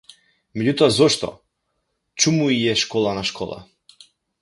Меѓутоа зошто, чуму ѝ е школа на школа?